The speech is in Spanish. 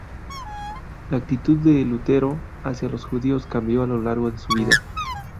La actitud de Lutero hacia los judíos cambió a lo largo de su vida.